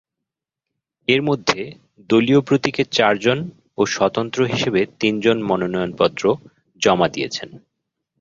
এর মধ্যে দলীয় প্রতীকে চারজন ও স্বতন্ত্র হিসেবে তিনজন মনোনয়নপত্র জমা দিয়েছেন।